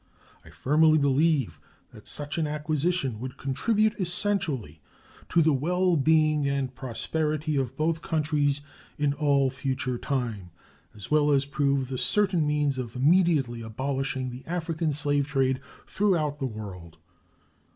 I firmly believe that such an acquisition would contribute essentially to the well being and prosperity of both countries in all future time, as well as prove the certain means of immediately abolishing the African slave trade throughout the world.